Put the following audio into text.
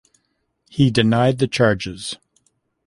He denied the charges.